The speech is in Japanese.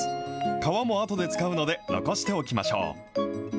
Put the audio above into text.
皮も後で使うので残しておきましょう。